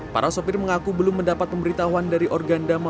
para sopir mengaku belum mendapat pemberitahuan dari organ damah